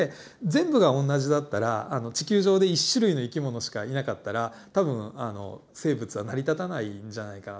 全部が同じだったら地球上で１種類の生き物しかいなかったら多分生物は成り立たないんじゃないかなと。